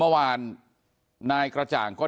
พันให้หมดตั้ง๓คนเลยพันให้หมดตั้ง๓คนเลย